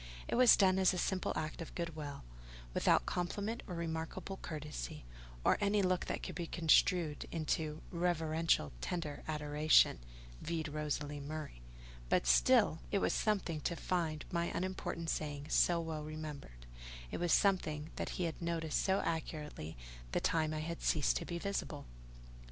It was done as a simple act of goodwill, without compliment or remarkable courtesy, or any look that could be construed into "reverential, tender adoration" (vide Rosalie Murray); but still, it was something to find my unimportant saying so well remembered: it was something that he had noticed so accurately the time I had ceased to be visible.